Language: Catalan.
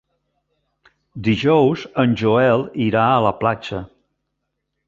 Dijous en Joel irà a la platja.